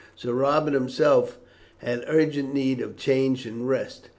Sir Robert himself had urgent need of change and rest.